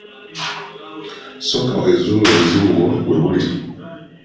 Sooka weezuule obuzibu bwo we buli.